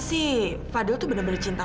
sampai jumpa di video selanjutnya